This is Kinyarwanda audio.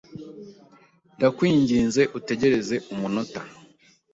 Ndakwinginze utegereze umunota?